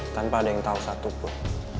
tanpa ada yang tahu satupun